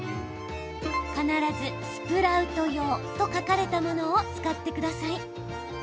必ずスプラウト用と書かれたものを使ってください。